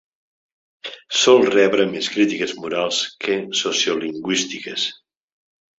Sol rebre més crítiques morals que sociolingüístiques.